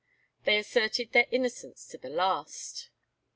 They asserted their innocence to the last.